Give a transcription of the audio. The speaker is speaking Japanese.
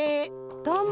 どうも。